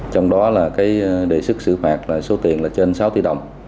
trong đó đề sức xử phạt số tiền là trên sáu tỷ đồng